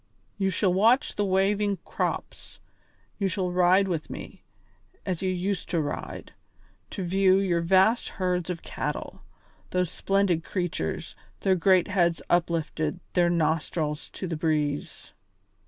You shall watch the waving crops; you shall ride with me, as you used to ride, to view your vast herds of cattle those splendid creatures, their great heads uplifted, their nostrils to the breeze."